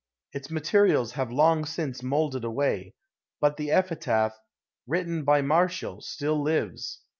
Its materials have long since molded away, but the epitaph, written by Martial, still lives.